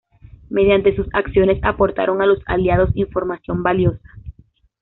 Mediante sus acciones aportaron a los Aliados información valiosa.